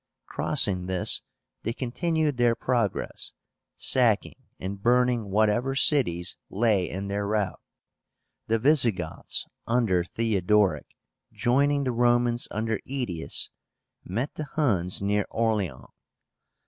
Crossing this, they continued their progress, sacking and burning whatever cities lay in their route. The Visigoths under Theodoric, joining the Romans under Aetius, met the Huns near Orleans.